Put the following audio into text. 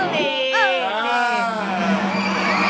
นี่